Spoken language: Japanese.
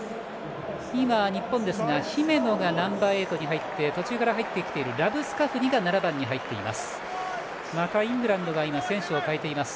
今、日本ですが姫野がナンバーエイトに入って途中から入ってきているラブスカフニが７番に入っています。